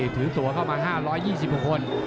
ถือตัวเข้ามาห้าร้อยยี่สิบคน